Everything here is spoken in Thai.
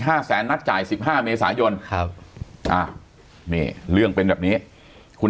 ๕๐๐บาทนัดจ่าย๑๕เมษายนครับอ่ะเนี่ยเรื่องเป็นแบบนี้คุณ